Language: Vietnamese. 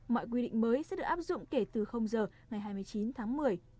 mọi quy định mới sẽ được áp dụng kể từ giờ ngày hai mươi chín tháng một mươi